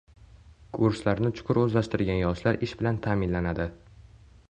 Kurslarni chuqur o‘zlashtirgan yoshlar ish bilan ta’minlanadi